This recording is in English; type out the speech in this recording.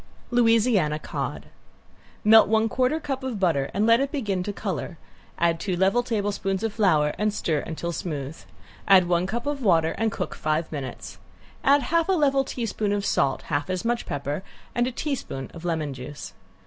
~LOUISIANA COD~ Melt one quarter cup of butter and let it begin to color, add two level tablespoons of flour and stir until smooth. Add one cup of water and cook five minutes. Add half a level teaspoon of salt, half as much pepper, and a teaspoon of lemon juice.